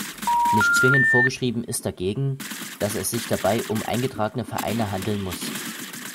Nicht zwingend vorgeschrieben ist dagegen, dass es sich dabei um eingetragene Vereine handeln muss.